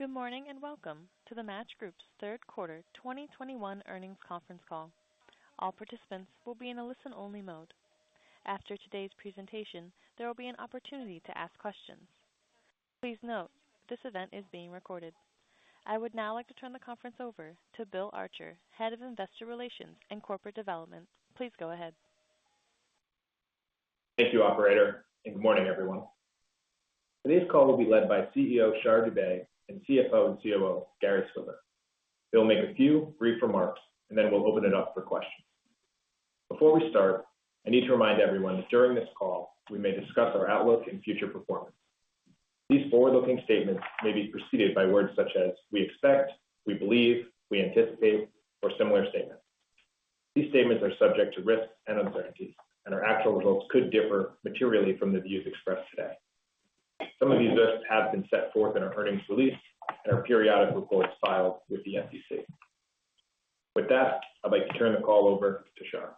Good morning, and welcome to the Match Group's Third Quarter 2021 Earnings Conference Call. All participants will be in a listen-only mode. After today's presentation, there will be an opportunity to ask questions. Please note, this event is being recorded. I would now like to turn the conference over to Bill Archer, Head of Investor Relations and Corporate Development. Please go ahead. Thank you, operator, and good morning, everyone. Today's call will be led by CEO Shar Dubey and CFO and COO Gary Swidler. They'll make a few brief remarks, and then we'll open it up for questions. Before we start, I need to remind everyone that during this call, we may discuss our outlook and future performance. These forward-looking statements may be preceded by words such as we expect, we believe, we anticipate, or similar statements. These statements are subject to risks and uncertainties, and our actual results could differ materially from the views expressed today. Some of these risks have been set forth in our earnings release and our periodic reports filed with the SEC. With that, I'd like to turn the call over to Shar.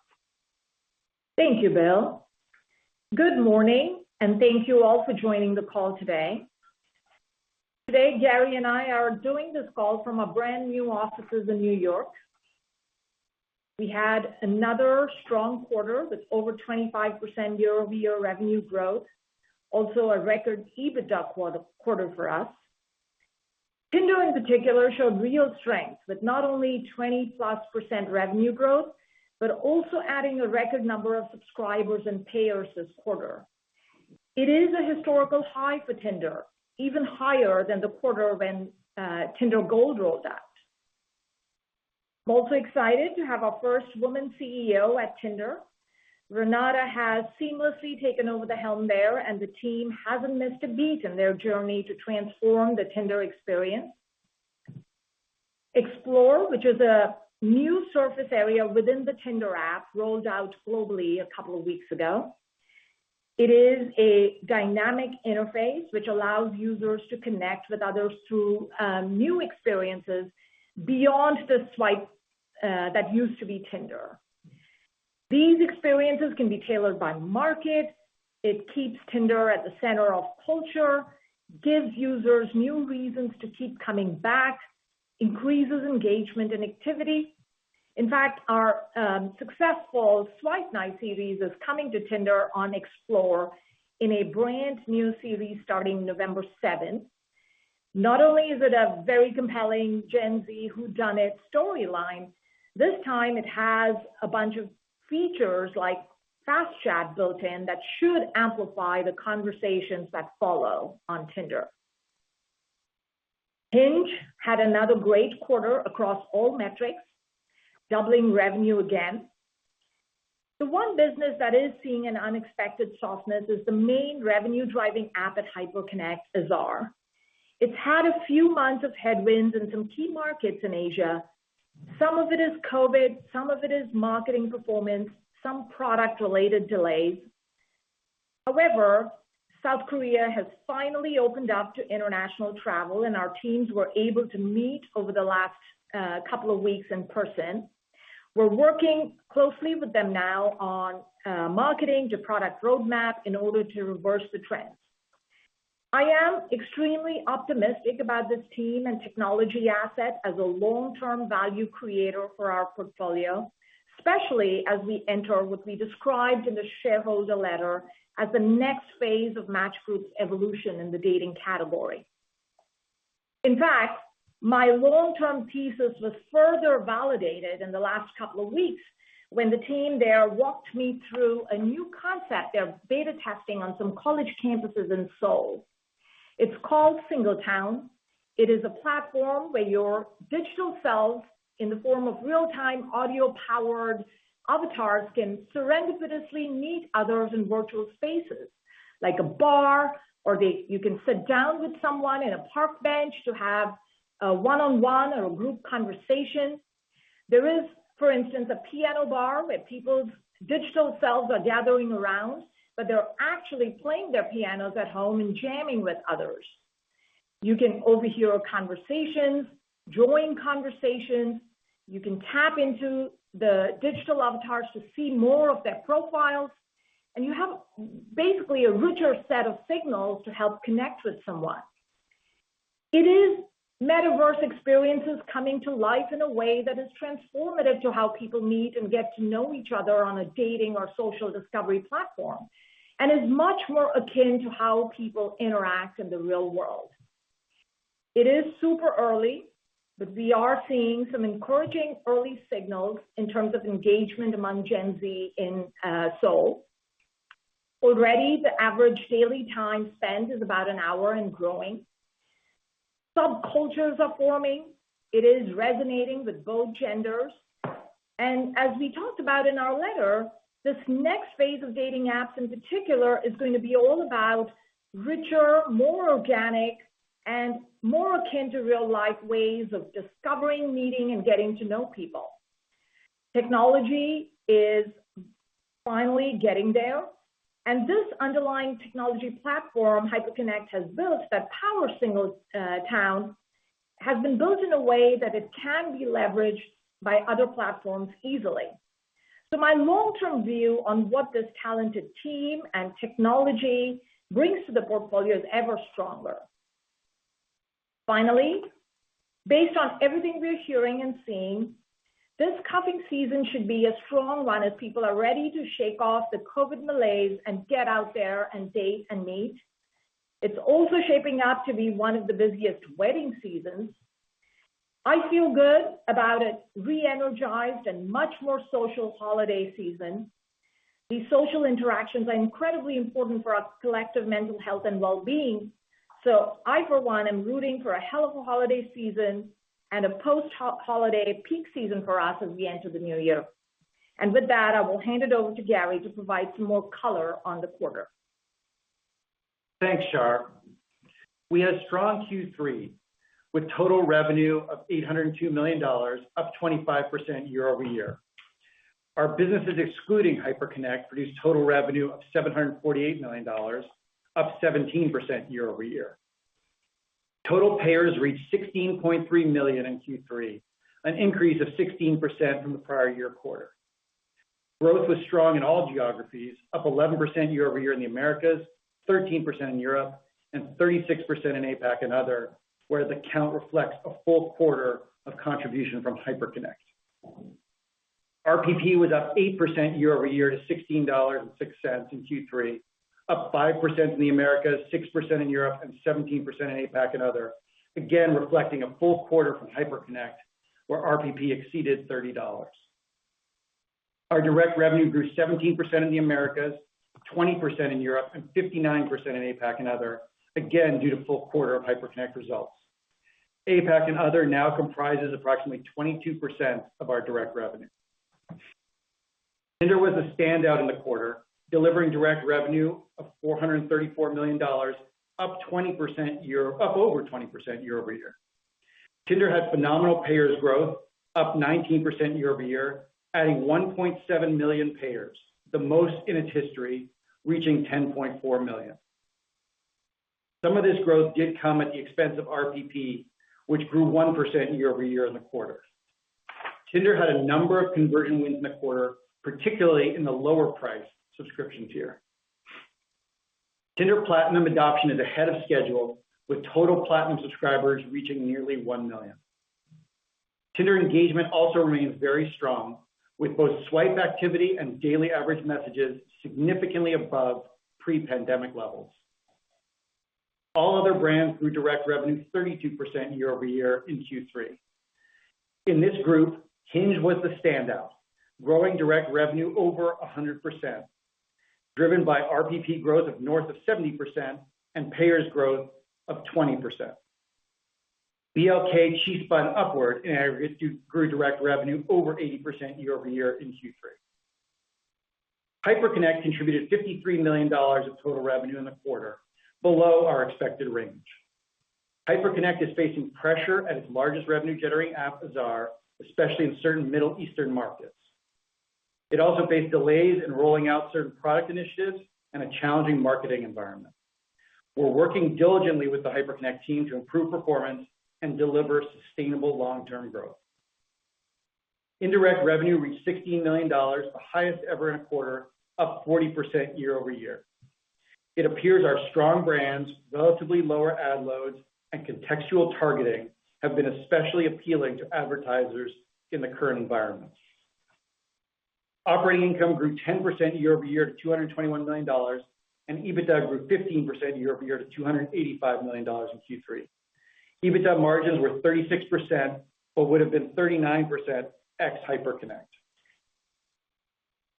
Thank you, Bill. Good morning, and thank you all for joining the call today. Today, Gary and I are doing this call from our brand new offices in New York. We had another strong quarter with over 25% year-over-year revenue growth. Also, a record EBITDA quarter for us. Tinder in particular showed real strength with not only 20%+ revenue growth, but also adding a record number of subscribers and payers this quarter. It is a historical high for Tinder, even higher than the quarter when Tinder Gold rolled out. I'm also excited to have our first woman CEO at Tinder. Renate has seamlessly taken over the helm there, and the team hasn't missed a beat in their journey to transform the Tinder experience. Explore, which is a new surface area within the Tinder app, rolled out globally a couple of weeks ago. It is a dynamic interface which allows users to connect with others through new experiences beyond the swipe that used to be Tinder. These experiences can be tailored by market. It keeps Tinder at the center of culture, gives users new reasons to keep coming back, increases engagement and activity. In fact, our successful Swipe Night series is coming to Tinder on Explore in a brand-new series starting November seventh. Not only is it a very compelling Gen Z whodunit storyline, this time it has a bunch of features like Fast Chat built in that should amplify the conversations that follow on Tinder. Hinge had another great quarter across all metrics, doubling revenue again. The one business that is seeing an unexpected softness is the main revenue-driving app at Hyperconnect, Azar. It's had a few months of headwinds in some key markets in Asia. Some of it is COVID, some of it is marketing performance, some product-related delays. However, South Korea has finally opened up to international travel, and our teams were able to meet over the last couple of weeks in person. We're working closely with them now on marketing, the product roadmap in order to reverse the trends. I am extremely optimistic about this team and technology asset as a long-term value creator for our portfolio, especially as we enter what we described in the shareholder letter as the next phase of Match Group's evolution in the dating category. In fact, my long-term thesis was further validated in the last couple of weeks when the team there walked me through a new concept they're beta testing on some college campuses in Seoul. It's called Single Town. It is a platform where your digital selves, in the form of real-time audio-powered avatars, can serendipitously meet others in virtual spaces like a bar, you can sit down with someone in a park bench to have a one-on-one or a group conversation. There is, for instance, a piano bar where people's digital selves are gathering around, but they're actually playing their pianos at home and jamming with others. You can overhear conversations, join conversations. You can tap into the digital avatars to see more of their profiles, and you have basically a richer set of signals to help connect with someone. It is metaverse experiences coming to life in a way that is transformative to how people meet and get to know each other on a dating or social discovery platform and is much more akin to how people interact in the real world. It is super early, but we are seeing some encouraging early signals in terms of engagement among Gen Z in Seoul. Already, the average daily time spent is about an hour and growing. Subcultures are forming. It is resonating with both genders. And as we talked about in our letter, this next phase of dating apps, in particular, is going to be all about richer, more organic, and more akin to real life ways of discovering, meeting, and getting to know people. Technology is finally getting there, and this underlying technology platform Hyperconnect has built that powers Single Town has been built in a way that it can be leveraged by other platforms easily. My long-term view on what this talented team and technology brings to the portfolio is ever stronger. Finally, based on everything we're hearing and seeing, this cuffing season should be a strong one as people are ready to shake off the COVID malaise and get out there and date and mate. It's also shaping up to be one of the busiest wedding seasons. I feel good about a re-energized and much more social holiday season. These social interactions are incredibly important for our collective mental health and well-being. I, for one, am rooting for a hell of a holiday season and a post holiday peak season for us as we enter the new year. With that, I will hand it over to Gary to provide some more color on the quarter. Thanks, Shar. We had a strong Q3 with total revenue of $802 million, up 25% year-over-year. Our businesses excluding Hyperconnect produced total revenue of $748 million, up 17% year-over-year. Total payers reached 16.3 million in Q3, an increase of 16% from the prior year quarter. Growth was strong in all geographies, up 11% year-over-year in the Americas, 13% in Europe, and 36% in APAC and other, where the count reflects a full quarter of contribution from Hyperconnect. RPP was up 8% year-over-year to $16.06 in Q3, up 5% in the Americas, 6% in Europe, and 17% in APAC and other. Again, reflecting a full quarter from Hyperconnect, where RPP exceeded $30. Our direct revenue grew 17% in the Americas, 20% in Europe, and 59% in APAC and other, again, due to full quarter of Hyperconnect results. APAC and other now comprises approximately 22% of our direct revenue. Tinder was a standout in the quarter, delivering direct revenue of $434 million, up over 20% year-over-year. Tinder had phenomenal payers growth, up 19% year-over-year, adding 1.7 million payers, the most in its history, reaching 10.4 million. Some of this growth did come at the expense of RPP, which grew 1% year-over-year in the quarter. Tinder had a number of conversion wins in the quarter, particularly in the lower price subscription tier. Tinder Platinum adoption is ahead of schedule, with total platinum subscribers reaching nearly 1 million. Tinder engagement also remains very strong, with both swipe activity and daily average messages significantly above pre-pandemic levels. All other brands grew direct revenue 32% year-over-year in Q3. In this group, Hinge was the standout, growing direct revenue over 100%, driven by RPP growth of north of 70% and payers growth of 20%. BLK, Chispa and Upward grew direct revenue over 80% year-over-year in Q3. Hyperconnect contributed $53 million of total revenue in the quarter below our expected range. Hyperconnect is facing pressure at its largest revenue generating app Azar, especially in certain Middle Eastern markets. It also faced delays in rolling out certain product initiatives and a challenging marketing environment. We're working diligently with the Hyperconnect team to improve performance and deliver sustainable long-term growth. Indirect revenue reached $60 million, the highest ever in a quarter, up 40% year-over-year. It appears our strong brands, relatively lower ad loads, and contextual targeting have been especially appealing to advertisers in the current environment. Operating income grew 10% year-over-year to $221 million, and EBITDA grew 15% year-over-year to $285 million in Q3. EBITDA margins were 36%, but would have been 39% ex Hyperconnect.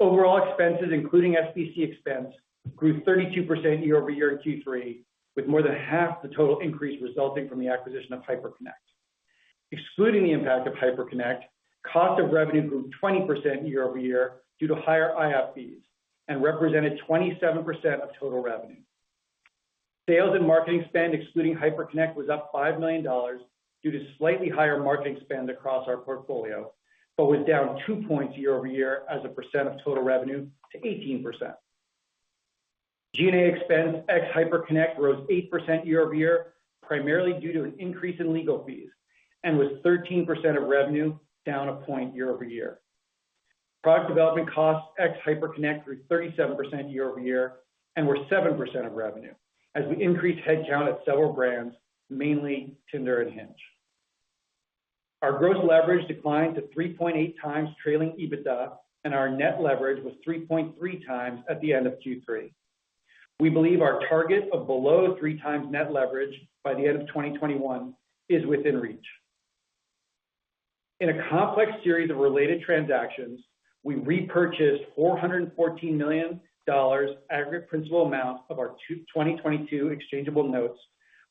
Overall expenses, including SBC expense, grew 32% year-over-year in Q3, with more than half the total increase resulting from the acquisition of Hyperconnect. Excluding the impact of Hyperconnect, cost of revenue grew 20% year-over-year due to higher IAPs and represented 27% of total revenue. Sales and marketing spend, excluding Hyperconnect, was up $5 million due to slightly higher marketing spend across our portfolio, but was down two points year-over-year as a percent of total revenue to 18%. G&A expense ex Hyperconnect rose 8% year-over-year, primarily due to an increase in legal fees and was 13% of revenue down a point year-over-year. Product development costs ex Hyperconnect grew 37% year-over-year and were 7% of revenue as we increased headcount at several brands, mainly Tinder and Hinge. Our gross leverage declined to 3.8x trailing EBITDA, and our net leverage was 3.3x at the end of Q3. We believe our target of below 3x net leverage by the end of 2021 is within reach. In a complex series of related transactions, we repurchased $414 million aggregate principal amount of our 2022 exchangeable notes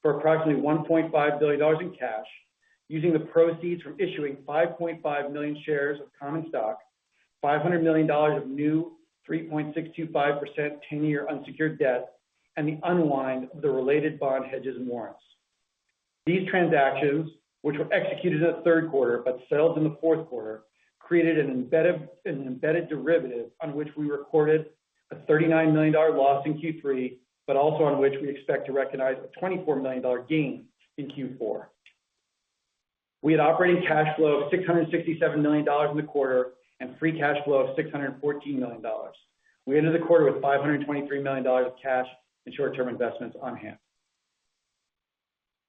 for approximately $1.5 billion in cash using the proceeds from issuing 5.5 million shares of common stock, $500 million of new 3.625% 10-year unsecured debt, and the unwind of the related bond hedges and warrants. These transactions, which were executed in the third quarter but settled in the fourth quarter, created an embedded derivative on which we recorded a $39 million loss in Q3, but also on which we expect to recognize a $24 million gain in Q4. We had operating cash flow of $667 million in the quarter and free cash flow of $614 million. We ended the quarter with $523 million of cash and short-term investments on hand.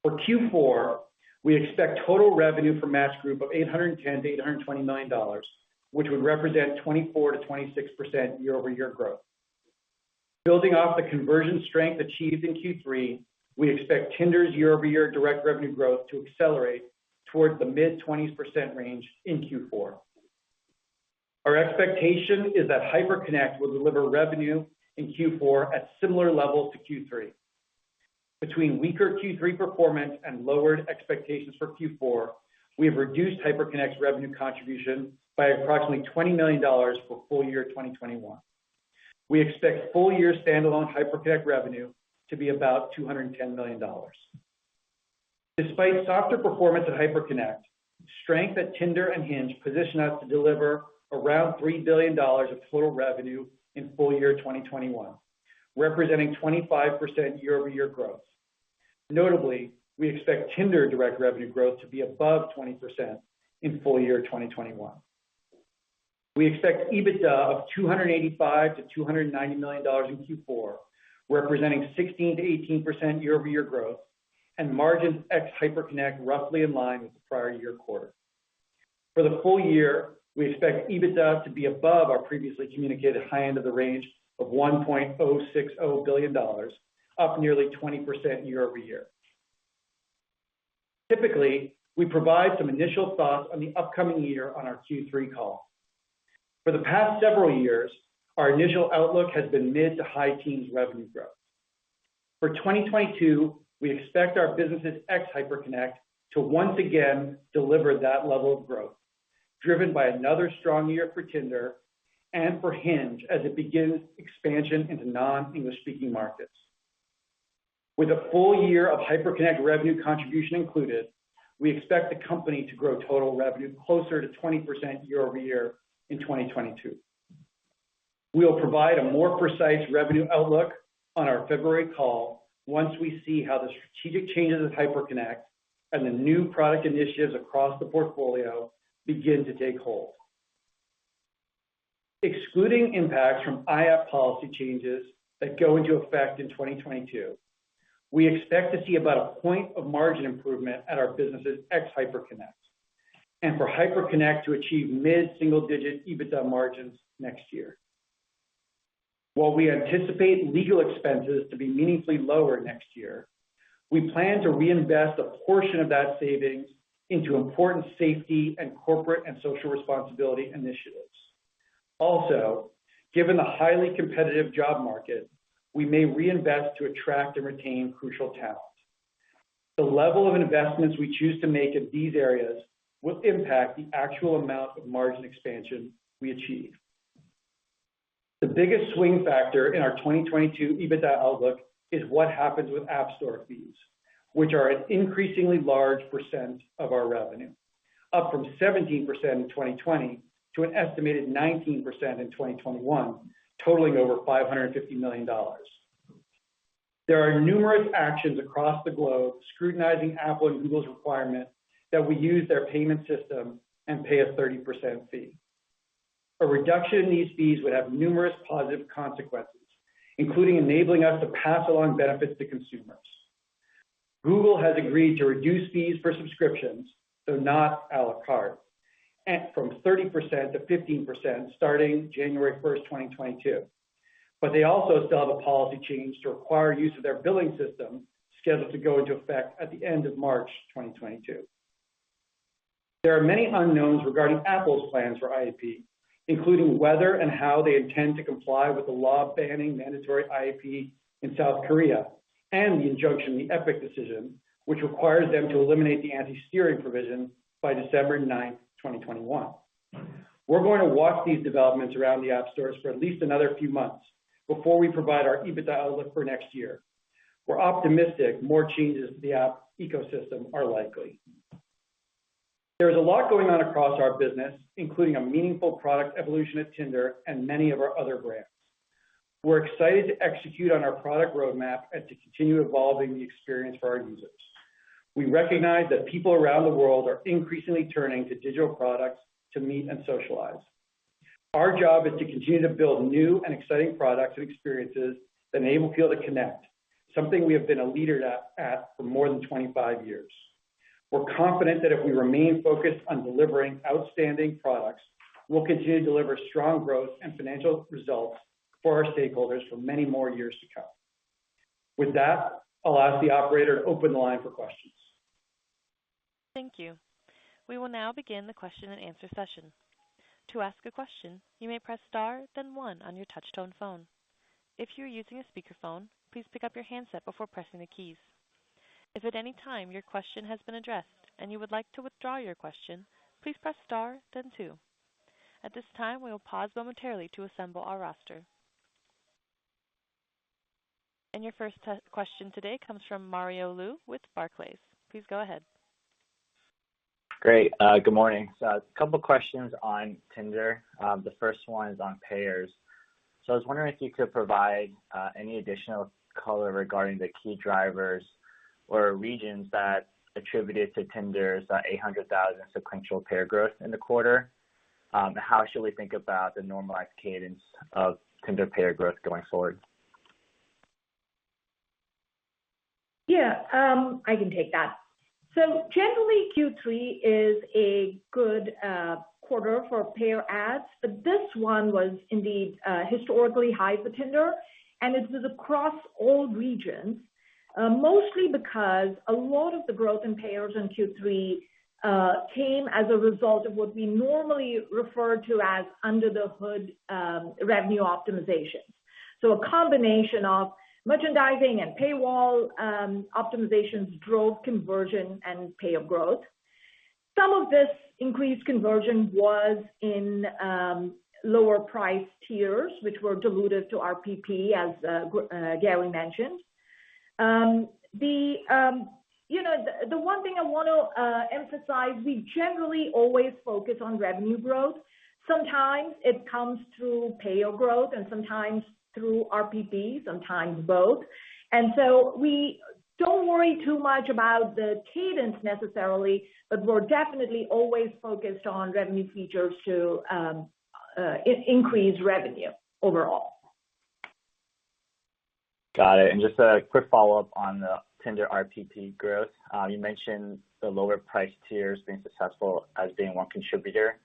For Q4, we expect total revenue for Match Group of $810 million-$820 million, which would represent 24%-26% year-over-year growth. Building off the conversion strength achieved in Q3, we expect Tinder's year-over-year direct revenue growth to accelerate towards the mid-20s% range in Q4. Our expectation is that Hyperconnect will deliver revenue in Q4 at similar levels to Q3. Between weaker Q3 performance and lowered expectations for Q4, we have reduced Hyperconnect's revenue contribution by approximately $20 million for full year 2021. We expect full year standalone Hyperconnect revenue to be about $210 million. Despite softer performance at Hyperconnect, strength at Tinder and Hinge position us to deliver around $3 billion of total revenue in full year 2021, representing 25% year-over-year growth. Notably, we expect Tinder direct revenue growth to be above 20% in full year 2021. We expect EBITDA of $285 million-$290 million in Q4, representing 16%-18% year-over-year growth, and margins ex-Hyperconnect roughly in line with the prior year quarter. For the full year, we expect EBITDA to be above our previously communicated high end of the range of $1.060 billion, up nearly 20% year-over-year. Typically, we provide some initial thoughts on the upcoming year on our Q3 call. For the past several years, our initial outlook has been mid to high teens revenue growth. For 2022, we expect our businesses ex-Hyperconnect to once again deliver that level of growth, driven by another strong year for Tinder and for Hinge as it begins expansion into non-English speaking markets. With a full year of Hyperconnect revenue contribution included, we expect the company to grow total revenue closer to 20% year-over-year in 2022. We'll provide a more precise revenue outlook on our February call once we see how the strategic changes of Hyperconnect and the new product initiatives across the portfolio begin to take hold. Excluding impacts from IAP policy changes that go into effect in 2022, we expect to see about a point of margin improvement at our businesses ex-Hyperconnect, and for Hyperconnect to achieve mid-single digit EBITDA margins next year. While we anticipate legal expenses to be meaningfully lower next year, we plan to reinvest a portion of that savings into important safety and corporate and social responsibility initiatives. Given the highly competitive job market, we may reinvest to attract and retain crucial talent. The level of investments we choose to make in these areas will impact the actual amount of margin expansion we achieve. The biggest swing factor in our 2022 EBITDA outlook is what happens with App Store fees, which are an increasingly large percent of our revenue, up from 17% in 2020 to an estimated 19% in 2021, totaling over $550 million. There are numerous actions across the globe scrutinizing Apple and Google's requirement that we use their payment system and pay a 30% fee. A reduction in these fees would have numerous positive consequences, including enabling us to pass along benefits to consumers. Google has agreed to reduce fees for subscriptions, though not à la carte, from 30% to 15% starting January 1st, 2022. They also still have a policy change to require use of their billing system scheduled to go into effect at the end of March 2022. There are many unknowns regarding Apple's plans for IAP, including whether and how they intend to comply with the law banning mandatory IAP in South Korea and the injunction, the Epic decision, which requires them to eliminate the anti-steering provision by December 9, 2021. We're going to watch these developments around the App Store for at least another few months before we provide our EBITDA outlook for next year. We're optimistic more changes to the app ecosystem are likely. There is a lot going on across our business, including a meaningful product evolution at Tinder and many of our other brands. We're excited to execute on our product roadmap and to continue evolving the experience for our users. We recognize that people around the world are increasingly turning to digital products to meet and socialize. Our job is to continue to build new and exciting products and experiences that enable people to connect, something we have been a leader at for more than 25 years. We're confident that if we remain focused on delivering outstanding products, we'll continue to deliver strong growth and financial results for our stakeholders for many more years to come. With that, I'll ask the operator to open the line for questions. Thank you. We will now begin the question and answer session. To ask a question, you may press star then one on your touchtone phone. If you are using a speakerphone, please pick up your handset before pressing the keys. If at any time your question has been addressed and you would like to withdraw your question, please press star then two. At this time, we will pause momentarily to assemble our roster. Your first question today comes from Mario Lu with Barclays. Please go ahead. Great. Good morning. A couple of questions on Tinder. The first one is on payers. I was wondering if you could provide any additional color regarding the key drivers or regions that attributed to Tinder's 800,000 sequential payer growth in the quarter. How should we think about the normalized cadence of Tinder payer growth going forward? Yeah. I can take that. Generally, Q3 is a good quarter for payer adds, but this one was indeed historically high for Tinder, and it was across all regions, mostly because a lot of the growth in payers in Q3 came as a result of what we normally refer to as under-the-hood revenue optimization. A combination of merchandising and paywall optimizations drove conversion and payer growth. Some of this increased conversion was in lower price tiers, which were dilutive to RPP, as Gary mentioned. You know, the one thing I want to emphasize, we generally always focus on revenue growth. Sometimes it comes through payer growth and sometimes through RPP, sometimes both. We don't worry too much about the cadence necessarily, but we're definitely always focused on revenue features to increase revenue overall. Got it. Just a quick follow-up on the Tinder RPP growth. You mentioned the lower price tiers being successful as being one contributor.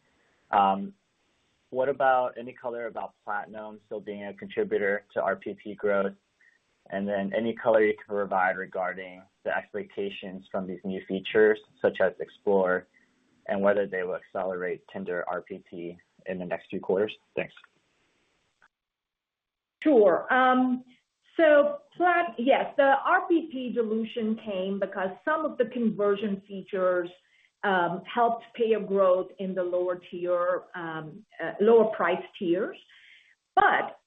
What about any color about Platinum still being a contributor to RPP growth? Any color you can provide regarding the expectations from these new features such as Explore and whether they will accelerate Tinder RPP in the next few quarters? Thanks. Sure. Yes. The RPP dilution came because some of the conversion features helped payer growth in the lower tier, lower price tiers.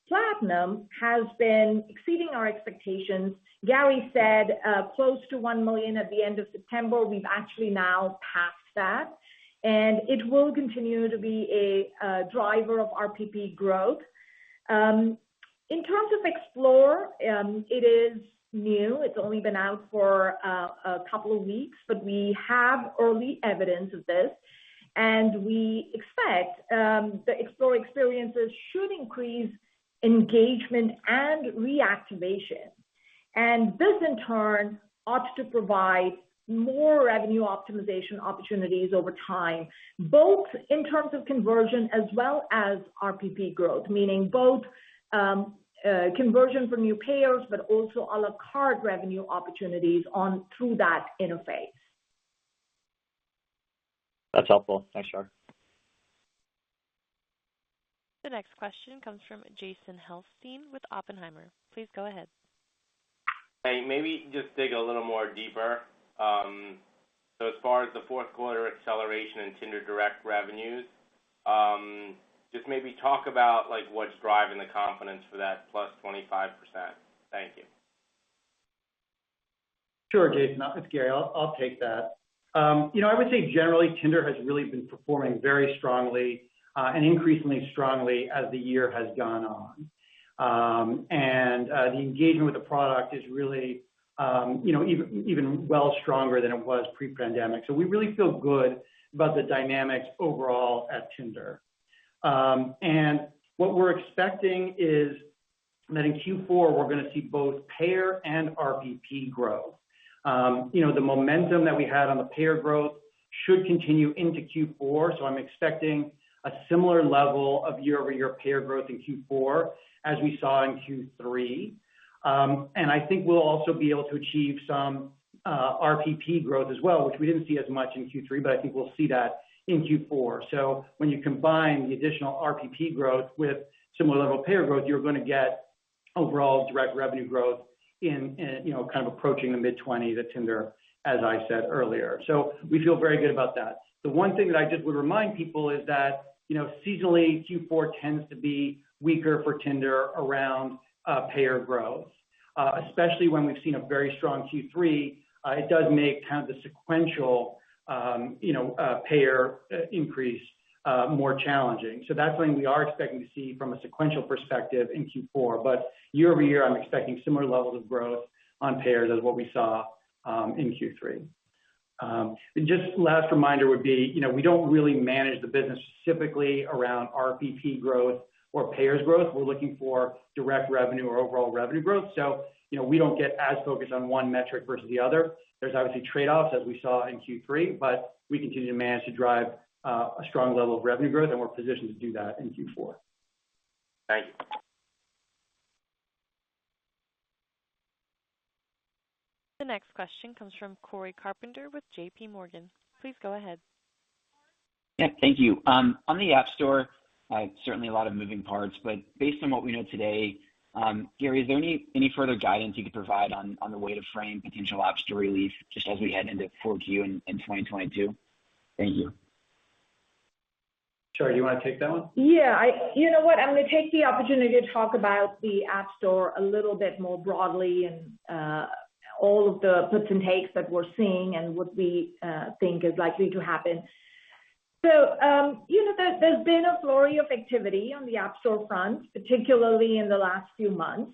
Platinum has been exceeding our expectations. Gary said close to 1 million at the end of September. We've actually now passed that, and it will continue to be a driver of RPP growth. In terms of Explore, it is new. It's only been out for a couple of weeks, but we have early evidence of this, and we expect the Explore experiences should increase engagement and reactivation. This, in turn, ought to provide more revenue optimization opportunities over time, both in terms of conversion as well as RPP growth, meaning both conversion from new payers, but also à la carte revenue opportunities and through that interface. That's helpful. Thanks, Shar. The next question comes from Jason Helfstein with Oppenheimer. Please go ahead. Hey, maybe just dig a little more deeper. As far as the fourth quarter acceleration in Tinder direct revenues, just maybe talk about like what's driving the confidence for that +25%. Thank you. Sure, Jason. It's Gary. I'll take that. You know, I would say generally, Tinder has really been performing very strongly and increasingly strongly as the year has gone on. The engagement with the product is really, you know, even well stronger than it was pre-pandemic. We really feel good about the dynamics overall at Tinder. What we're expecting is that in Q4, we're gonna see both payer and RPP grow. You know, the momentum that we had on the payer growth should continue into Q4, so I'm expecting a similar level of year-over-year payer growth in Q4 as we saw in Q3. I think we'll also be able to achieve some RPP growth as well, which we didn't see as much in Q3, but I think we'll see that in Q4. When you combine the additional RPP growth with similar level of payer growth, you're gonna get overall direct revenue growth, you know, kind of approaching the mid-20s to Tinder, as I said earlier. We feel very good about that. The one thing that I just would remind people is that, you know, seasonally, Q4 tends to be weaker for Tinder around payer growth, especially when we've seen a very strong Q3, it does make kind of the sequential payer increase more challenging. That's something we are expecting to see from a sequential perspective in Q4. Year-over-year, I'm expecting similar levels of growth on payers as what we saw in Q3. Just last reminder would be, you know, we don't really manage the business specifically around RPP growth or payers growth. We're looking for direct revenue or overall revenue growth. You know, we don't get as focused on one metric versus the other. There's obviously trade-offs as we saw in Q3, but we continue to manage to drive a strong level of revenue growth, and we're positioned to do that in Q4. Thank you. The next question comes from Cory Carpenter with JPMorgan. Please go ahead. Yeah, thank you. On the App Store, certainly a lot of moving parts, but based on what we know today, Gary, is there any further guidance you could provide on the way to frame potential App Store release just as we head into 4Q in 2022? Thank you. Shar, do you want to take that one? Yeah. You know what? I'm gonna take the opportunity to talk about the App Store a little bit more broadly and all of the puts and takes that we're seeing and what we think is likely to happen. You know, there's been a flurry of activity on the App Store front, particularly in the last few months.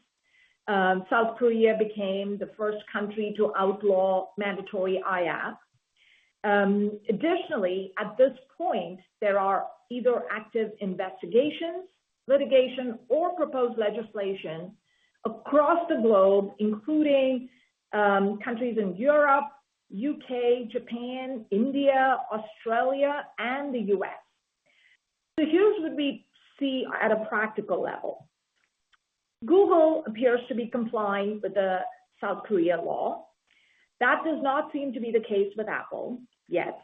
South Korea became the first country to outlaw mandatory IAP. Additionally, at this point, there are either active investigations, litigation, or proposed legislation across the globe, including countries in Europe, U.K., Japan, India, Australia, and the U.S. Here's what we see at a practical level. Google appears to be complying with the South Korea law. That does not seem to be the case with Apple yet.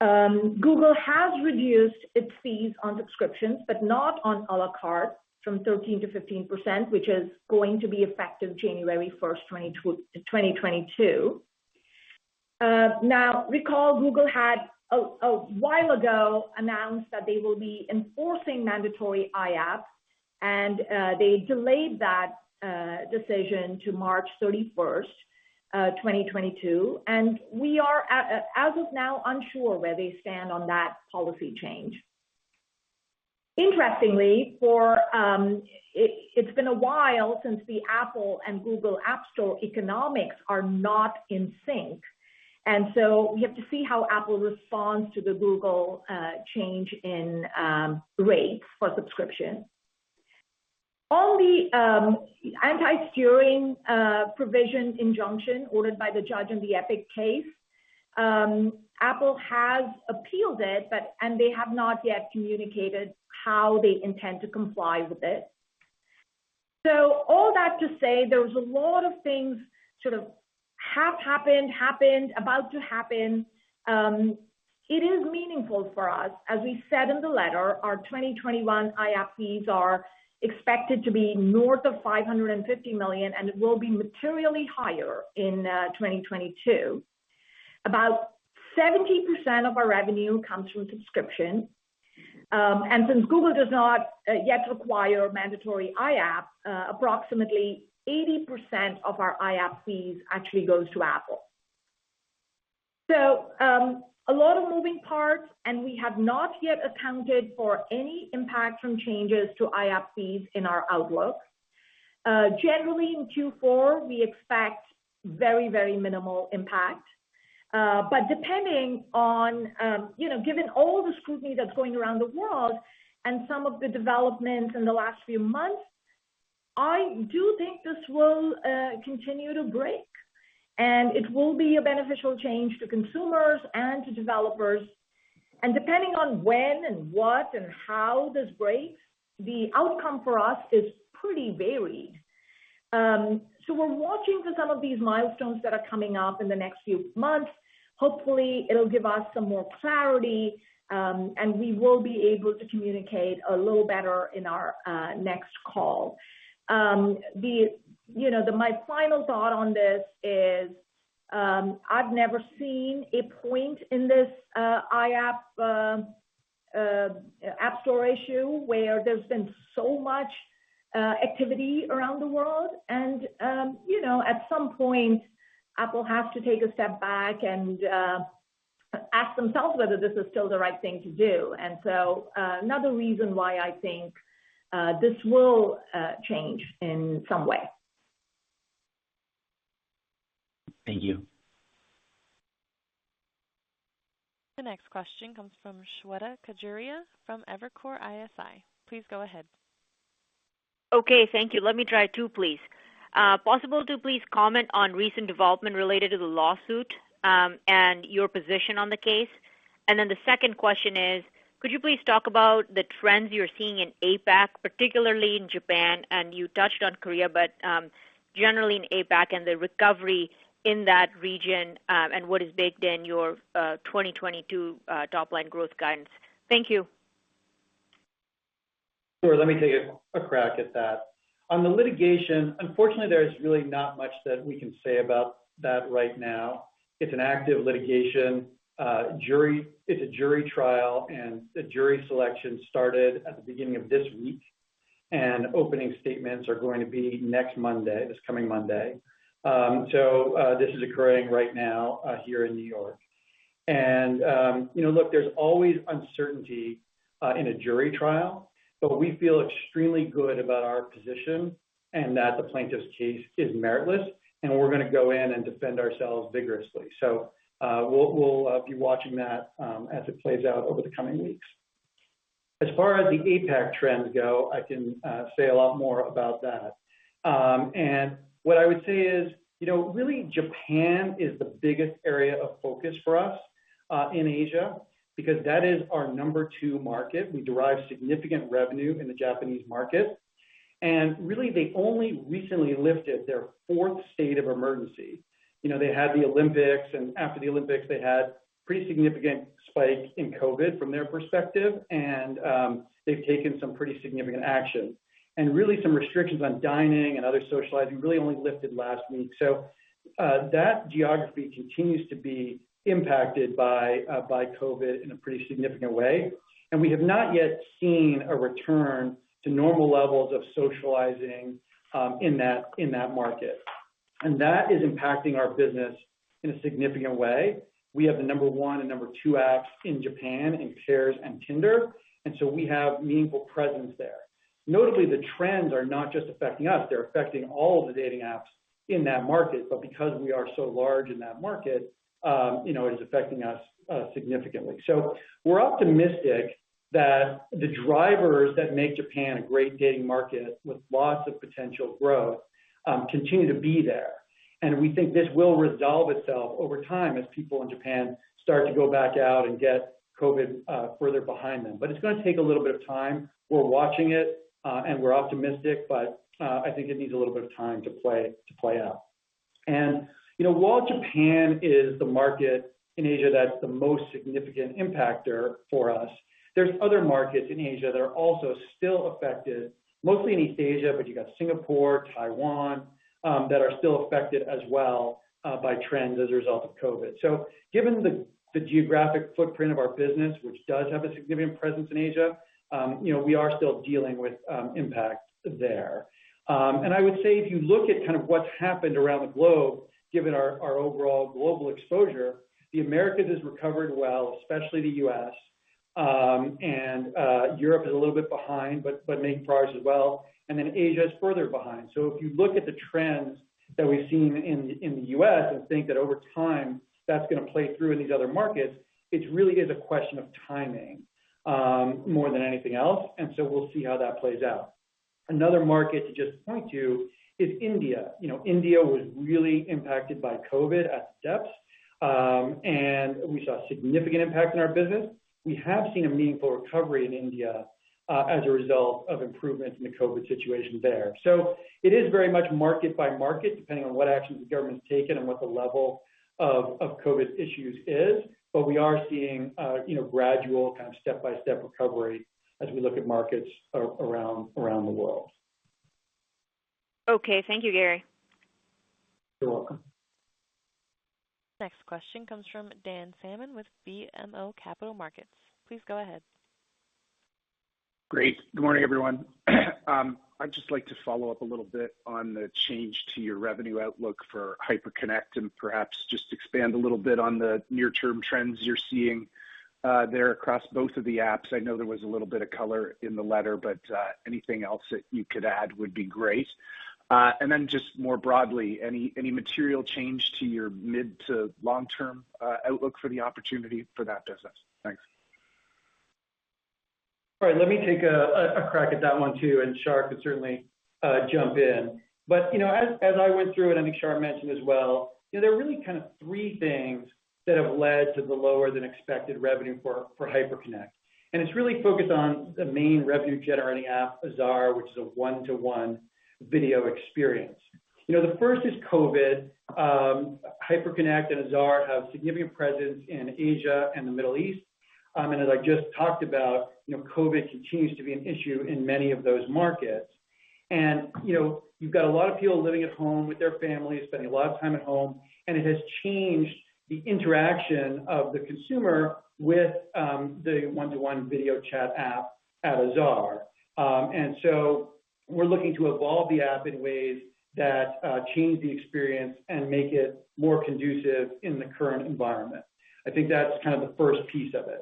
Google has reduced its fees on subscriptions, but not on à la carte from 13%-15%, which is going to be effective January 1st, 2022. Now recall Google had a while ago announced that they will be enforcing mandatory IAP, and they delayed that decision to March 31st, 2022, and we are, as of now, unsure where they stand on that policy change. Interestingly, it's been a while since the Apple and Google App Store economics are not in sync, and so we have to see how Apple responds to the Google change in rates for subscription. On the anti-steering provision injunction ordered by the judge in the Epic case, Apple has appealed it, but they have not yet communicated how they intend to comply with it. All that to say, there's a lot of things sort of have happened, about to happen. It is meaningful for us. As we said in the letter, our 2021 IAP fees are expected to be north of $550 million, and it will be materially higher in 2022. About 70% of our revenue comes from subscriptions. Since Google does not yet require mandatory IAP, approximately 80% of our IAP fees actually goes to Apple. A lot of moving parts, and we have not yet accounted for any impact from changes to IAP fees in our outlook. Generally, in Q4, we expect very minimal impact. Depending on, you know, given all the scrutiny that's going around the world and some of the developments in the last few months, I do think this will continue to break, and it will be a beneficial change to consumers and to developers. Depending on when and what and how this breaks, the outcome for us is pretty varied. We're watching for some of these milestones that are coming up in the next few months. Hopefully, it'll give us some more clarity, and we will be able to communicate a little better in our next call. My final thought on this is, I've never seen a point in this IAP App Store issue where there's been so much activity around the world and, you know, at some point, Apple has to take a step back and ask themselves whether this is still the right thing to do. Another reason why I think this will change in some way. Thank you. The next question comes from Shweta Khajuria from Evercore ISI. Please go ahead. Okay. Thank you. Let me try two, please. Is it possible to please comment on recent development related to the lawsuit, and your position on the case. The second question is, could you please talk about the trends you're seeing in APAC, particularly in Japan? You touched on Korea, but generally in APAC and the recovery in that region, and what is baked in your 2022 top-line growth guidance. Thank you. Sure. Let me take a crack at that. On the litigation, unfortunately, there's really not much that we can say about that right now. It's an active litigation. It's a jury trial, and the jury selection started at the beginning of this week, and opening statements are going to be next Monday, this coming Monday. This is occurring right now here in New York. There's always uncertainty in a jury trial, but we feel extremely good about our position and that the plaintiff's case is meritless, and we're gonna go in and defend ourselves vigorously. We'll be watching that as it plays out over the coming weeks. As far as the APAC trends go, I can say a lot more about that. What I would say is, you know, really Japan is the biggest area of focus for us in Asia because that is our number two market. We derive significant revenue in the Japanese market. Really, they only recently lifted their fourth state of emergency. You know, they had the Olympics, and after the Olympics, they had pretty significant spike in COVID from their perspective. They've taken some pretty significant action. Really some restrictions on dining and other socializing really only lifted last week. That geography continues to be impacted by COVID in a pretty significant way, and we have not yet seen a return to normal levels of socializing in that market. That is impacting our business in a significant way. We have the number one and number two apps in Japan in Pairs and Tinder, and so we have meaningful presence there. Notably, the trends are not just affecting us, they're affecting all of the dating apps in that market. Because we are so large in that market, you know, it is affecting us significantly. We're optimistic that the drivers that make Japan a great dating market with lots of potential growth continue to be there. We think this will resolve itself over time as people in Japan start to go back out and get COVID further behind them. It's gonna take a little bit of time. We're watching it, and we're optimistic, but I think it needs a little bit of time to play out. You know, while Japan is the market in Asia that's the most significant impactor for us, there's other markets in Asia that are also still affected, mostly in East Asia, but you got Singapore, Taiwan, that are still affected as well, by trends as a result of COVID. Given the geographic footprint of our business, which does have a significant presence in Asia, you know, we are still dealing with impact there. I would say if you look at kind of what's happened around the globe, given our overall global exposure, the Americas has recovered well, especially the US. Europe is a little bit behind, but making progress as well. Then Asia is further behind. If you look at the trends that we've seen in the U.S. and think that over time that's gonna play through in these other markets, it really is a question of timing, more than anything else. We'll see how that plays out. Another market to just point to is India. You know, India was really impacted by COVID at depths, and we saw significant impact in our business. We have seen a meaningful recovery in India, as a result of improvements in the COVID situation there. It is very much market by market, depending on what actions the government's taken and what the level of COVID issues is. We are seeing, you know, gradual kind of step-by-step recovery as we look at markets around the world. Okay, thank you, Gary. You're welcome. Next question comes from Dan Salmon with BMO Capital Markets. Please go ahead. Great. Good morning, everyone. I'd just like to follow up a little bit on the change to your revenue outlook for Hyperconnect, and perhaps just expand a little bit on the near-term trends you're seeing there across both of the apps. I know there was a little bit of color in the letter, but anything else that you could add would be great. Just more broadly, any material change to your mid to long-term outlook for the opportunity for that business? Thanks. All right. Let me take a crack at that one too, and Shar could certainly jump in. You know, as I went through, and I think Shar mentioned as well, you know, there are really kind of three things that have led to the lower-than-expected revenue for Hyperconnect, and it's really focused on the main revenue generating app, Azar, which is a one-to-one video experience. You know, the first is COVID. Hyperconnect and Azar have significant presence in Asia and the Middle East. As I just talked about, you know, COVID continues to be an issue in many of those markets. You know, you've got a lot of people living at home with their families, spending a lot of time at home, and it has changed the interaction of the consumer with the one-to-one video chat app at Azar. We're looking to evolve the app in ways that change the experience and make it more conducive in the current environment. I think that's kind of the first piece of it.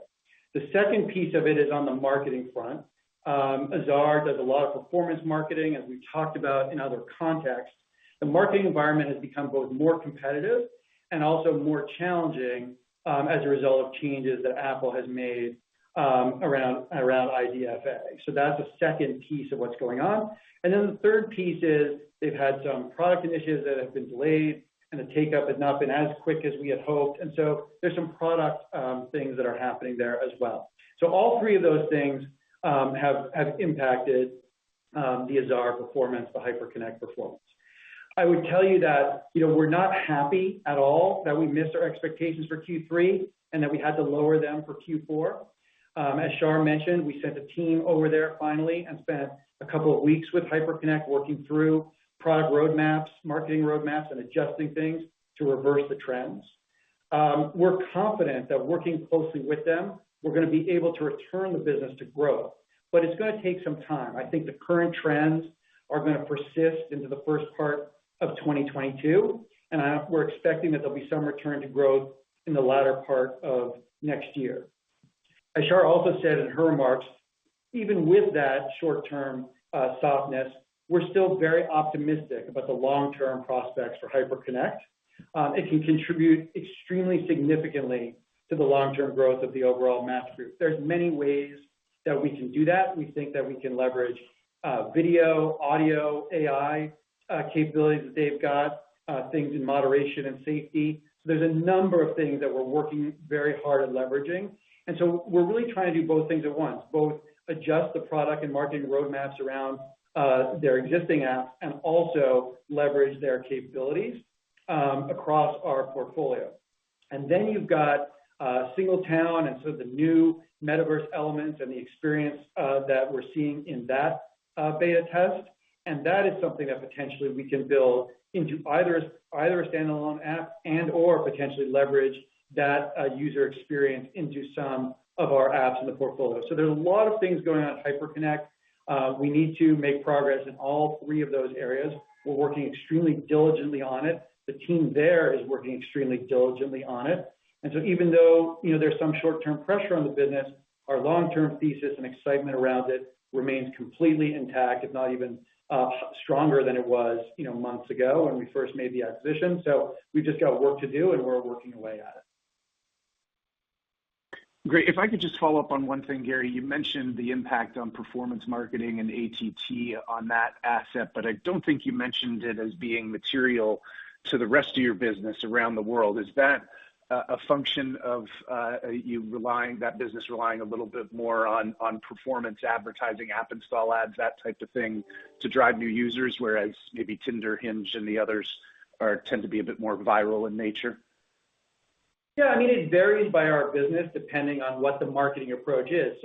The second piece of it is on the marketing front. Azar does a lot of performance marketing, as we talked about in other contexts. The marketing environment has become both more competitive and also more challenging, as a result of changes that Apple has made around IDFA. That's the second piece of what's going on. Then the third piece is they've had some product initiatives that have been delayed, and the take-up has not been as quick as we had hoped. So there's some product things that are happening there as well. All three of those things have impacted the Azar performance, the Hyperconnect performance. I would tell you that, you know, we're not happy at all that we missed our expectations for Q3 and that we had to lower them for Q4. As Shar mentioned, we sent a team over there finally and spent a couple of weeks with Hyperconnect working through product roadmaps, marketing roadmaps, and adjusting things to reverse the trends. We're confident that working closely with them, we're gonna be able to return the business to growth, but it's gonna take some time. I think the current trends are gonna persist into the first part of 2022, and we're expecting that there'll be some return to growth in the latter part of next year. As Shar also said in her remarks, even with that short-term softness, we're still very optimistic about the long-term prospects for Hyperconnect. It can contribute extremely significantly to the long-term growth of the overall Match Group. There's many ways that we can do that. We think that we can leverage video, audio, AI capabilities that they've got, things in moderation and safety. There's a number of things that we're working very hard at leveraging. We're really trying to do both things at once, both adjust the product and marketing roadmaps around their existing apps and also leverage their capabilities across our portfolio. You've got Single Town and so the new metaverse elements and the experience that we're seeing in that beta test. That is something that potentially we can build into either a standalone app and or potentially leverage that user experience into some of our apps in the portfolio. There's a lot of things going on at Hyperconnect. We need to make progress in all three of those areas. We're working extremely diligently on it. The team there is working extremely diligently on it. Even though, you know, there's some short-term pressure on the business, our long-term thesis and excitement around it remains completely intact, if not even stronger than it was, you know, months ago when we first made the acquisition. We've just got work to do, and we're working away at it. Great. If I could just follow up on one thing, Gary. You mentioned the impact on performance marketing and ATT on that asset, but I don't think you mentioned it as being material to the rest of your business around the world. Is that a function of that business relying a little bit more on performance advertising, app install ads, that type of thing, to drive new users, whereas maybe Tinder, Hinge, and the others tend to be a bit more viral in nature? Yeah, I mean, it varies by our business depending on what the marketing approach is.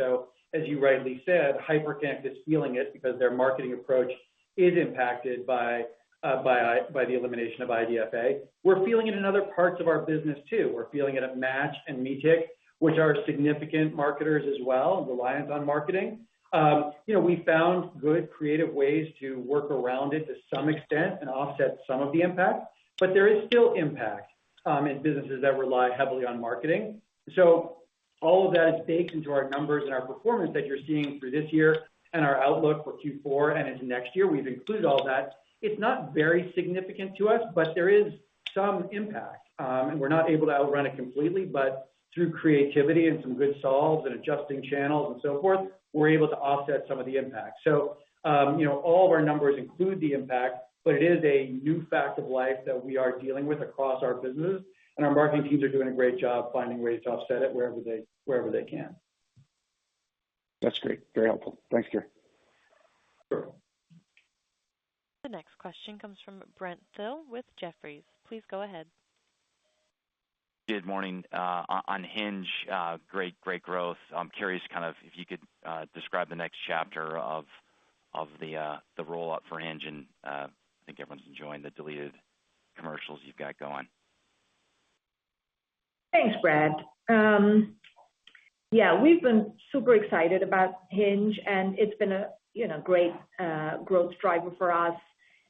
As you rightly said, Hyperconnect is feeling it because their marketing approach is impacted by the elimination of IDFA. We're feeling it in other parts of our business too. We're feeling it at Match and Meetic, which are significant marketers as well, reliant on marketing. You know, we found good creative ways to work around it to some extent and offset some of the impact. There is still impact in businesses that rely heavily on marketing. All of that is baked into our numbers and our performance that you're seeing for this year and our outlook for Q4 and into next year. We've included all that. It's not very significant to us, but there is some impact. We're not able to outrun it completely, but through creativity and some good solves and adjusting channels and so forth, we're able to offset some of the impact. You know, all of our numbers include the impact, but it is a new fact of life that we are dealing with across our business, and our marketing teams are doing a great job finding ways to offset it wherever they can. That's great. Very helpful. Thanks, Gary. Sure. The next question comes from Brent Thill with Jefferies. Please go ahead. Good morning. On Hinge, great growth. I'm curious kind of if you could describe the next chapter of the rollout for Hinge, and I think everyone's enjoying the deleted commercials you've got going. Thanks, Brent. Yeah, we've been super excited about Hinge, and it's been a, you know, great growth driver for us.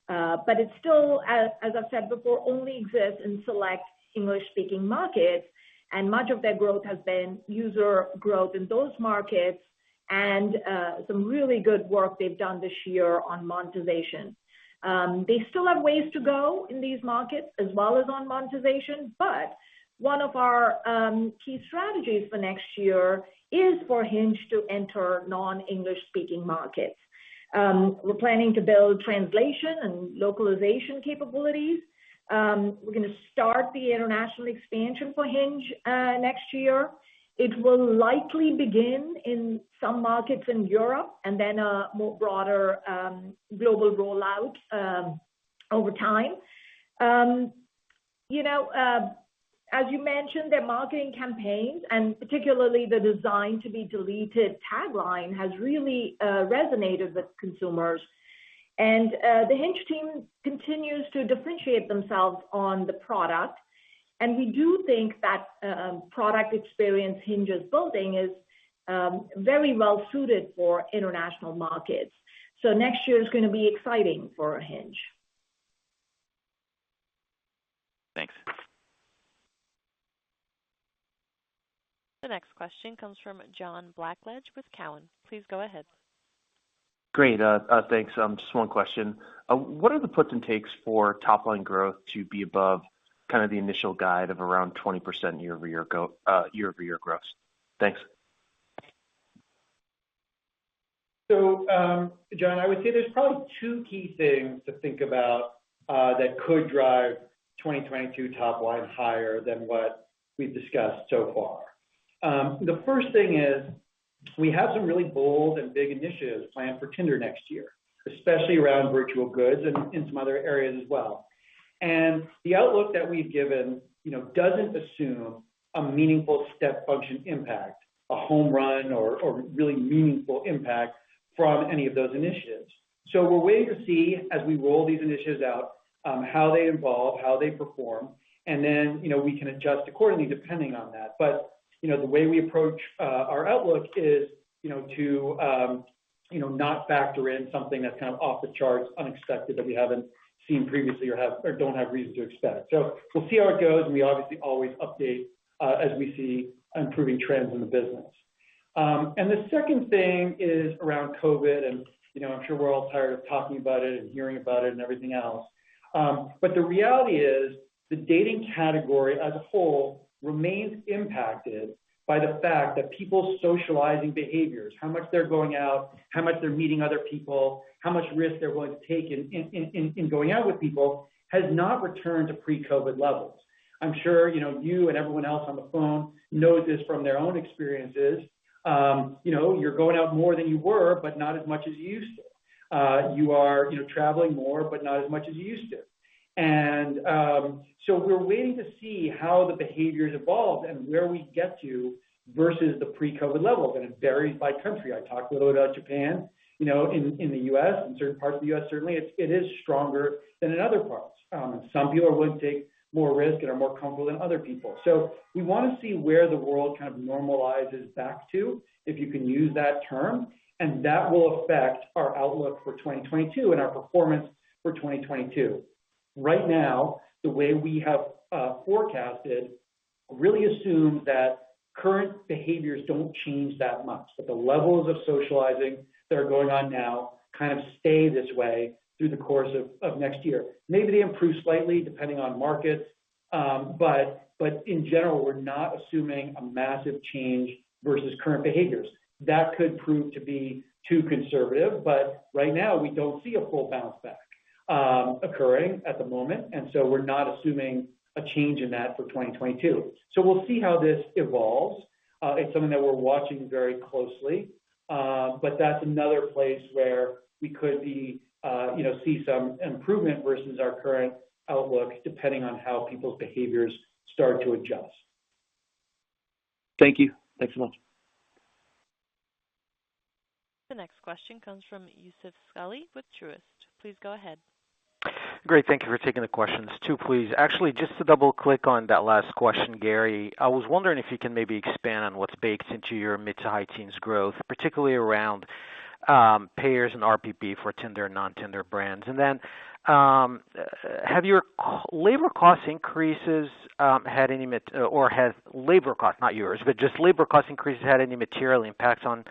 It still, as I've said before, only exists in select English-speaking markets, and much of that growth has been user growth in those markets and some really good work they've done this year on monetization. They still have ways to go in these markets as well as on monetization, but one of our key strategies for next year is for Hinge to enter non-English-speaking markets. We're planning to build translation and localization capabilities. We're gonna start the international expansion for Hinge next year. It will likely begin in some markets in Europe and then a more broader global rollout over time. You know, as you mentioned, their marketing campaigns, and particularly the designed to be deleted tagline, has really resonated with consumers. The Hinge team continues to differentiate themselves on the product. We do think that product experience Hinge is building is very well suited for international markets. Next year is gonna be exciting for Hinge. Thanks. The next question comes from John Blackledge with Cowen. Please go ahead. Great. Thanks. Just one question. What are the puts and takes for top line growth to be above kind of the initial guide of around 20% year-over-year growth? Thanks. John, I would say there's probably two key things to think about that could drive 2022 top line higher than what we've discussed so far. The first thing is we have some really bold and big initiatives planned for Tinder next year, especially around virtual goods and in some other areas as well. The outlook that we've given, you know, doesn't assume a meaningful step function impact, a home run or really meaningful impact from any of those initiatives. We're waiting to see as we roll these initiatives out how they evolve, how they perform, and then, you know, we can adjust accordingly depending on that. You know, the way we approach our outlook is, you know, to, you know, not factor in something that's kind of off the charts, unexpected that we haven't seen previously or don't have reason to expect. We'll see how it goes, and we obviously always update as we see improving trends in the business. The second thing is around COVID, and, you know, I'm sure we're all tired of talking about it and hearing about it and everything else. The reality is the dating category as a whole remains impacted by the fact that people's socializing behaviors, how much they're going out, how much they're meeting other people, how much risk they're willing to take in going out with people has not returned to pre-COVID levels. I'm sure, you know, you and everyone else on the phone know this from their own experiences. You know, you're going out more than you were, but not as much as you used to. You are, you know, traveling more, but not as much as you used to. We're waiting to see how the behaviors evolve and where we get to versus the pre-COVID levels. It varies by country. I talked a little about Japan, you know. In the U.S., in certain parts of the U.S., certainly it is stronger than in other parts. Some people are willing to take more risk and are more comfortable than other people. We wanna see where the world kind of normalizes back to, if you can use that term, and that will affect our outlook for 2022 and our performance for 2022. Right now, the way we have forecasted really assumes that current behaviors don't change that much, that the levels of socializing that are going on now kind of stay this way through the course of next year. Maybe they improve slightly depending on markets, but in general, we're not assuming a massive change versus current behaviors. That could prove to be too conservative, but right now we don't see a full bounce back occurring at the moment. We're not assuming a change in that for 2022. We'll see how this evolves. It's something that we're watching very closely. That's another place where we could be, you know, see some improvement versus our current outlook, depending on how people's behaviors start to adjust. Thank you. Thanks so much. The next question comes from Youssef Squali with Truist. Please go ahead. Great. Thank you for taking the questions. Two, please. Actually, just to double-click on that last question, Gary, I was wondering if you can maybe expand on what's baked into your mid- to high-teens growth, particularly around payers and RPP for Tinder and non-Tinder brands. Has labor cost, not yours, but just labor cost increases had any material impacts on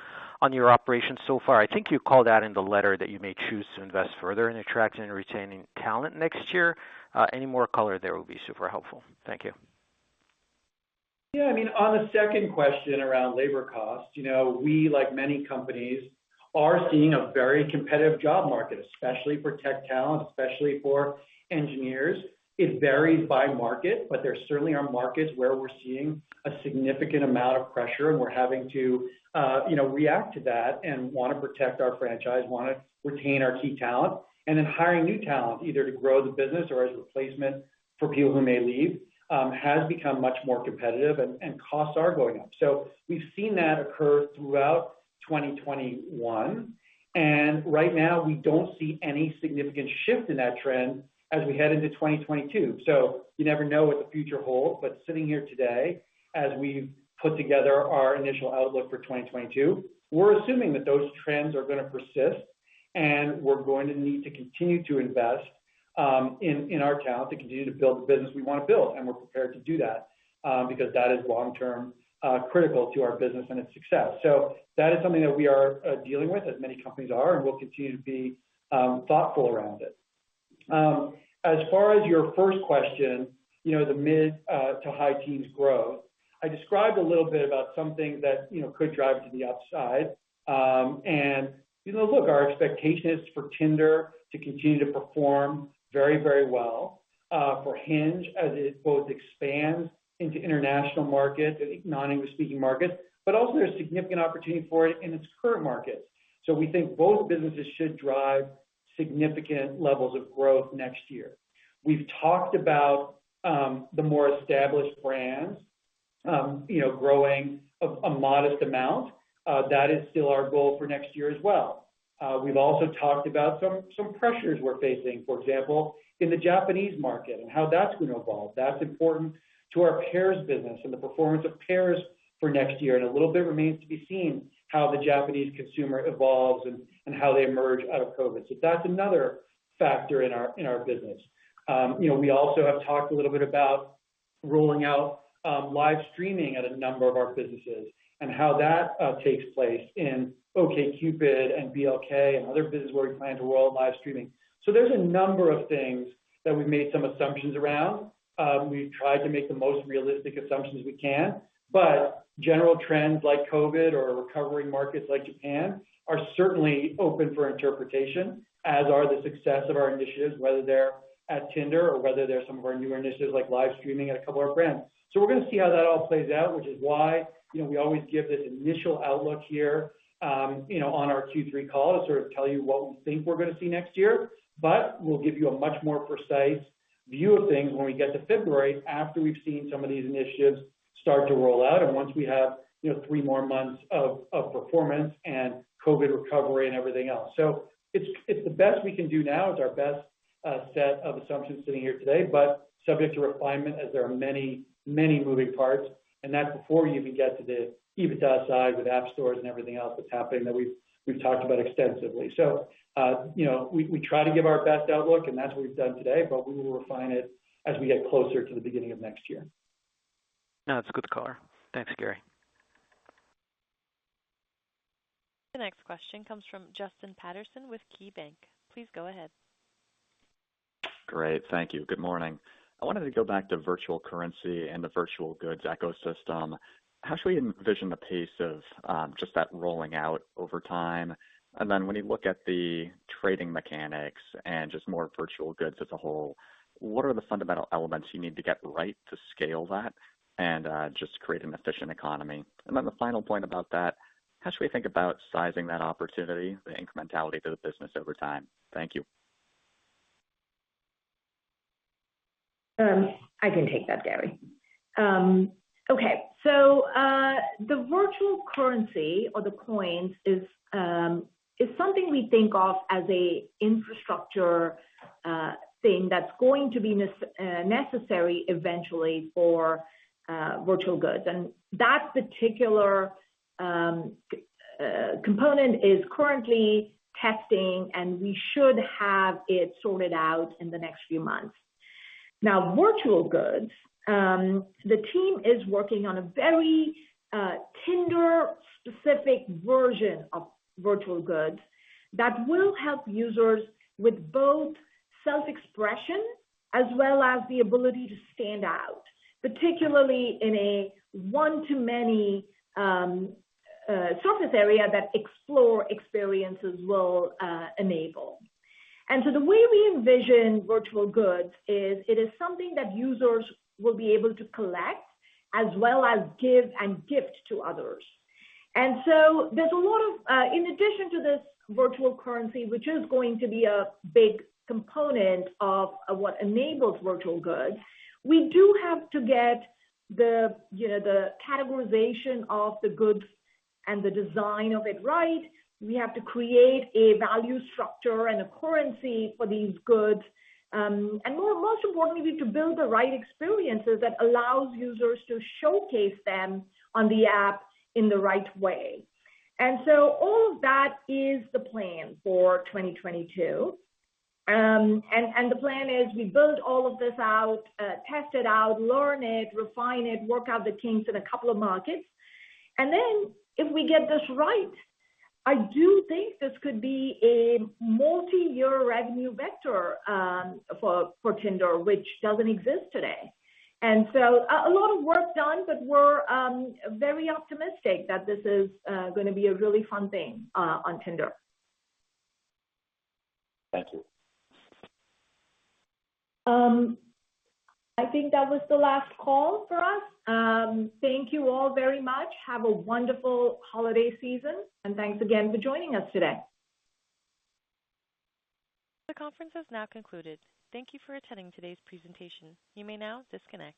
your operations so far? I think you called out in the letter that you may choose to invest further in attracting and retaining talent next year. Any more color there will be super helpful. Thank you. Yeah. I mean, on the second question around labor costs, you know, we, like many companies, are seeing a very competitive job market, especially for tech talent, especially for engineers. It varies by market, but there certainly are markets where we're seeing a significant amount of pressure and we're having to, you know, react to that and wanna protect our franchise, wanna retain our key talent. Then hiring new talent, either to grow the business or as replacement for people who may leave, has become much more competitive and costs are going up. We've seen that occur throughout 2021, and right now we don't see any significant shift in that trend as we head into 2022. You never know what the future holds, but sitting here today, as we've put together our initial outlook for 2022, we're assuming that those trends are gonna persist and we're going to need to continue to invest in our talent to continue to build the business we wanna build. We're prepared to do that because that is long-term critical to our business and its success. That is something that we are dealing with, as many companies are, and we'll continue to be thoughtful around it. As far as your first question, you know, the mid- to high-teens growth, I described a little bit about something that, you know, could drive to the upside. And, you know, look, our expectation is for Tinder to continue to perform very, very well. For Hinge, as it both expands into international markets and non-English speaking markets, but also there's significant opportunity for it in its current markets. We think both businesses should drive significant levels of growth next year. We've talked about the more established brands, you know, growing a modest amount. That is still our goal for next year as well. We've also talked about some pressures we're facing, for example, in the Japanese market and how that's gonna evolve. That's important to our payers business and the performance of payers for next year. A little bit remains to be seen how the Japanese consumer evolves and how they emerge out of COVID. That's another factor in our business. You know, we also have talked a little bit about rolling out live streaming at a number of our businesses and how that takes place in OkCupid and BLK and other businesses where we plan to roll out live streaming. There's a number of things that we've made some assumptions around. We've tried to make the most realistic assumptions we can. General trends like COVID or recovery markets like Japan are certainly open for interpretation, as are the success of our initiatives, whether they're at Tinder or whether they're some of our newer initiatives like live streaming at a couple of our brands. We're gonna see how that all plays out, which is why, you know, we always give this initial outlook here, you know, on our Q3 call to sort of tell you what we think we're gonna see next year. We'll give you a much more precise view of things when we get to February after we've seen some of these initiatives start to roll out and once we have, you know, three more months of performance and COVID recovery and everything else. So, it's the best we can do now. It's our best set of assumptions sitting here today, but subject to refinement as there are many, many moving parts, and that's before you even get to the EBITDA side with app stores and everything else that's happening that we've talked about extensively. So, you know, we try to give our best outlook, and that's what we've done today, but we will refine it as we get closer to the beginning of next year. No, that's a good color. Thanks, Gary. The next question comes from Justin Patterson with KeyBanc. Please go ahead. Great. Thank you. Good morning. I wanted to go back to virtual currency and the virtual goods ecosystem. How should we envision the pace of just that rolling out over time? When you look at the trading mechanics and just more virtual goods as a whole, what are the fundamental elements you need to get right to scale that and just create an efficient economy? The final point about that, how should we think about sizing that opportunity, the incrementality to the business over time? Thank you. I can take that, Gary. Okay. The virtual currency or the coins is something we think of as an infrastructure thing that's going to be necessary eventually for virtual goods. That particular component is currently testing, and we should have it sorted out in the next few months. Now, virtual goods, the team is working on a very Tinder specific version of virtual goods that will help users with both self-expression as well as the ability to stand out, particularly in a one-to-many surface area that Explore experiences will enable. The way we envision virtual goods is it is something that users will be able to collect as well as give and gift to others. In addition to this virtual currency, which is going to be a big component of what enables virtual goods, we do have to get the, you know, the categorization of the goods and the design of it right. We have to create a value structure and a currency for these goods, and most importantly, to build the right experiences that allows users to showcase them on the app in the right way. All of that is the plan for 2022. The plan is we build all of this out, test it out, learn it, refine it, work out the kinks in a couple of markets. Then if we get this right, I do think this could be a multi-year revenue vector, for Tinder, which doesn't exist today. A lot of work done, but we're very optimistic that this is gonna be a really fun thing on Tinder. Thank you. I think that was the last call for us. Thank you all very much. Have a wonderful holiday season, and thanks again for joining us today. The conference has now concluded. Thank you for attending today's presentation. You may now disconnect.